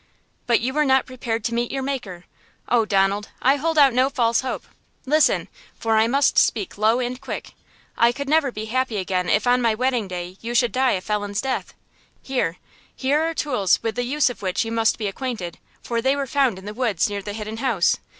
"But you were not prepared to meet your Maker! Oh, Donald! I hold out no false hope! Listen, for I must speak low and quick. I could never be happy again if on my wedding day you should die a felon's death! Here! here are tools with the use of which you must be acquainted, for they were found in the woods near the Hidden House!"